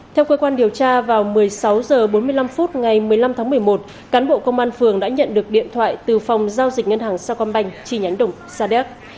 theo cơ quan điều tra vào một mươi sáu h bốn mươi năm phút ngày một mươi năm tháng một mươi một cán bộ công an phường đã nhận được điện thoại từ phòng giao dịch ngân hàng sacombank chi nhánh đồng sa đéc